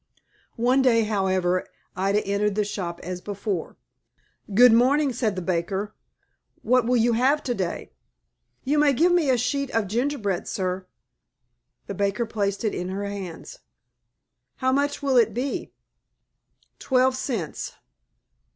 One day, however, Ida entered the shop as before. "Good morning," said the baker. "What will you have to day?" "You may give me a sheet of gingerbread, sir." The baker placed it in her hands. "How much will it be?" "Twelve cents."